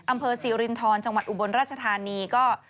อำเภอสิรินทรจังหวัดอุบลราชธานีก็